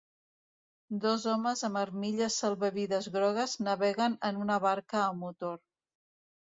Dos homes amb armilles salvavides grogues naveguen en una barca a motor.